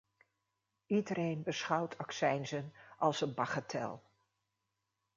Iedereen beschouwt accijnzen als een bagatel.